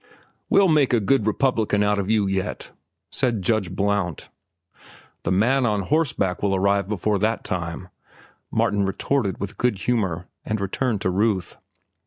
"We'll make a good Republican out of you yet," said Judge Blount. "The man on horseback will arrive before that time," Martin retorted with good humor, and returned to Ruth.